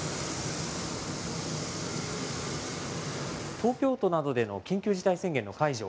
東京都などでの緊急事態宣言の解除。